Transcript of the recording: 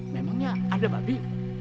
memangnya ada babi